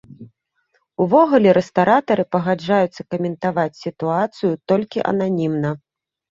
Увогуле, рэстаратары пагаджаюцца каментаваць сітуацыю толькі ананімна.